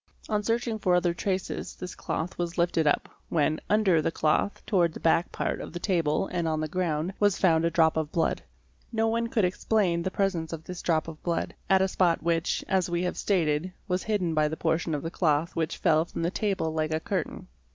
On searching for other traces this cloth was lifted up, when, wnder the cloth towards the back part of the table and on the ground, was found a drop of blood. No one could explain the presence of this drop of blood, at a spot which, as we have stated, was hidden by the portion of the cloth which fell from the table like a cur tain.